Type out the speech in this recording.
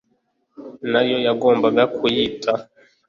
na yo bagombaga kuyita